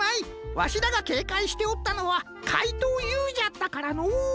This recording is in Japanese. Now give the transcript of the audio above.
わしらがけいかいしておったのはかいとうＵじゃったからのう。